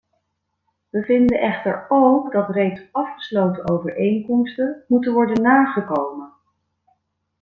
We vinden echter ook dat reeds afgesloten overeenkomsten moeten worden nagekomen.